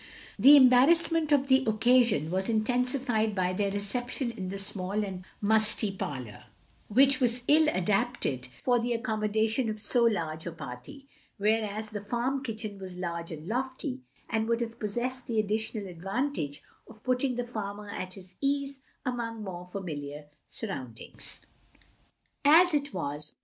The embarrassment of the occasion was inten sified by their reception in the small and musty parlour, which was ill adapted for the accom modation of so large a party; whereas the farm kitchen was large and lofty, and would have possessed the additional advantage of putting the farmer at his ease among more familiar stirroundings. As it was.